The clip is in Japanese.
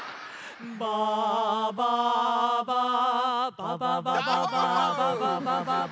「バーバーバーババババババババババ」